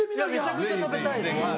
めちゃくちゃ食べたいです。